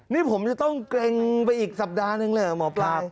นี่ผมจะต้องเกร็งไปอีกสัปดาห์หนึ่งเลยเหรอหมอปลา